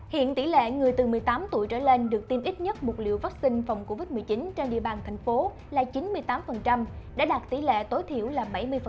hiện tỷ lệ người từ một mươi tám tuổi trở lên được tiêm ít nhất một liều vaccine phòng covid một mươi chín trên địa bàn thành phố là chín mươi tám đã đạt tỷ lệ tối thiểu là bảy mươi